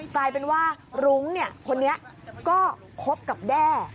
กลายเป็นว่ารุ้งคนนี้ก็คบกับแด้